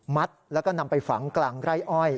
แล้วก็นำไปฝังกลางไร่อ้อย